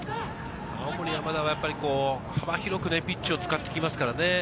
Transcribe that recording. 青森山田は幅広くピッチを使ってきますからね。